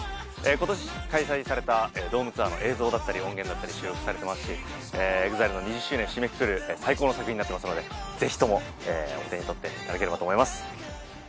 ことし開催されたドームツアーの映像だったり音源だったり収録されてますしＥＸＩＬＥの２０周年締めくくる最高の作品になってますのでぜひともお手に取っていただければと思います。